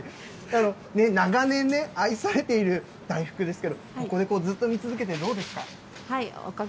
長年ね、愛されている大福ですけど、ここでずっと見続けてどうですか。